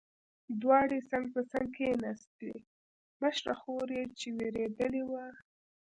دواړې څنګ په څنګ کېناستې، مشره خور یې چې وېرېدلې وه.